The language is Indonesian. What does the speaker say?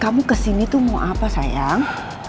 kamu kesini tuh mau apa sayang